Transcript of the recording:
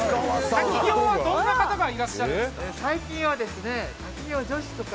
滝行は、どんな方がいらっしゃるんですか？